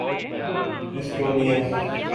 Estonia